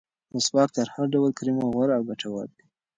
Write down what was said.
مسواک تر هر ډول کریمو غوره او ګټور دی.